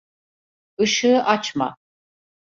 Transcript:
Işığı açma.